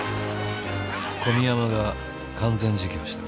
小宮山が完全自供した。